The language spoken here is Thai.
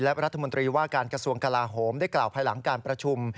และรัฐมนตรีว่าการกระทรวงกลาโหมได้กล่าวภายหลังการประชุม